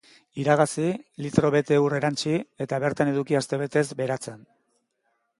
Iragazi, litro bete ur erantsi eta bertan eduki astebetez beratzen.